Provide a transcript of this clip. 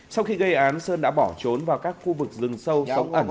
sau khi gây án sơn đã bỏ trốn vào các khu vực rừng sâu sống ẩn